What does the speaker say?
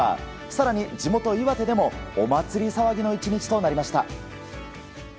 更に地元・岩手でもお祭り騒ぎの１日となりました。